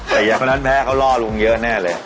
แต่อย่างคนนั้นแพ้เขาล่อลุงเยอะแน่เลย